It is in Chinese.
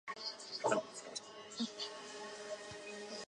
是第一次国共内战主要战斗之一。